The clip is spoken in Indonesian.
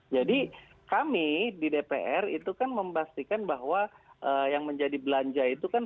jadi kami di dpr itu kan membastikan bahwa yang menjadi belanja itu kan